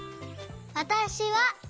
「わたしは」